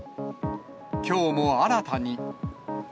きょうも新たに。